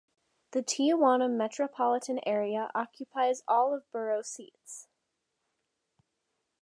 The Tijuana metropolitan area occupies all of borough seats.